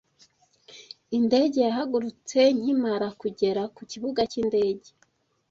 Indege yahagurutse nkimara kugera ku kibuga cy'indege.